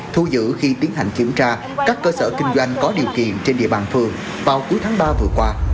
thu giữ khi tiến hành kiểm tra các cơ sở kinh doanh có điều kiện trên địa bàn phường vào cuối tháng ba vừa qua